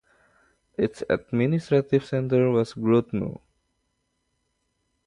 Its administrative centre was Grodno.